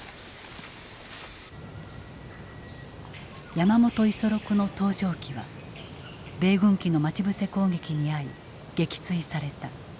山本五十六の搭乗機は米軍機の待ち伏せ攻撃に遭い撃墜された。